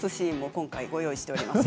今回ご用意しております。